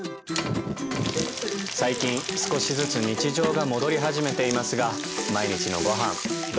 最近少しずつ日常が戻り始めていますが毎日のごはんどうしていますか？